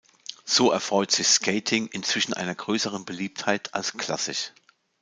So erfreut sich Skating inzwischen einer größeren Beliebtheit als klassisch.